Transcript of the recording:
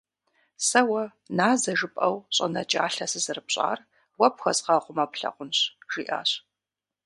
«Сэ уэ назэ жыпӏэу щӏэнэкӏалъэ сызэрыпщӏар уэ пхуэзгъэгъумэ плъагъунщ», — жиӏащ.